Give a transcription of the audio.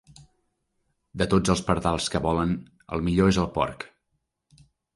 De tots els pardals que volen, el millor és el porc.